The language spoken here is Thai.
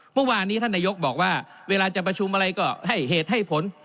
เมื่อวานนี้ท่านนายกบอกว่าเวลาจะประชุมอะไรก็ให้เหตุให้ผล